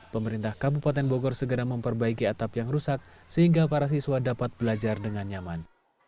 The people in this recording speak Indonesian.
pemerintah kabupaten bogor segera memperbaiki atap yang rusak sehingga para siswa dapat belajar dengan nyaman